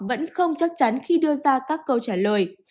vẫn không chắc chắn khi đưa ra các câu trả lời